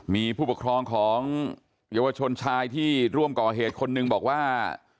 มีผู้ปกครองของเยาวชนชายที่ร่วมก่อเหตุคนหนึ่งบอกว่า